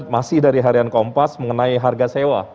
masih dari harian kompas mengenai harga sewa